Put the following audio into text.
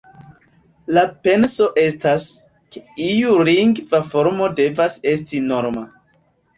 La penso estas, ke iu lingva formo devas esti norma.